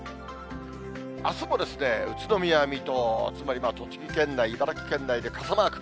あすも宇都宮、水戸、つまり栃木県内、茨城県内で傘マーク。